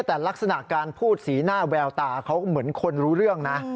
แต่ลักษณะการพูดสีหน้าแววตาเขาเหมือนคนรู้เรื่องนะ